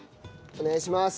お願いします。